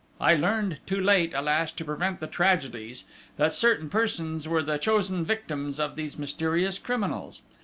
I learned, too late, alas, to prevent the tragedies, that certain persons were the chosen victims of these mysterious criminals.